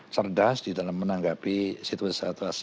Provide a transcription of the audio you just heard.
cerdas di dalam menanggapi situasi